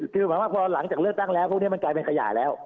คือหมายว่าพอหลังจากเลือกตั้งแล้วพวกนี้มันกลายเป็นขยะแล้ว